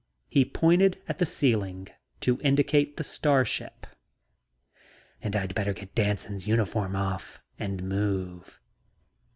He pointed at the ceiling to indicate the starship. "And I'd better get Danson's uniform off and move."